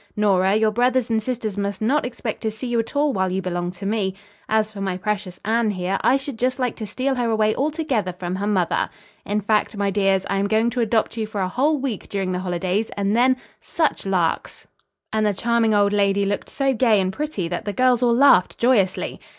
Nora, your brothers and sister must not expect to see you at all while you belong to me. As for my precious Anne, here, I should just like to steal her away altogether from her mother. In fact, my dears, I am going to adopt you for a whole week during the holidays and then such larks!" And the charming old lady looked so gay and pretty that the girls all laughed joyously.